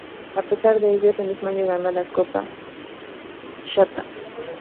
A pesar de ello, ese mismo año ganó la Copa Chatham.